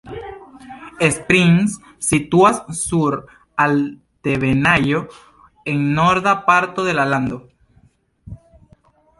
Springs situas sur altebenaĵo en norda parto de la lando.